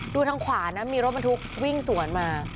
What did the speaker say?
ทางขวานะมีรถบรรทุกวิ่งสวนมา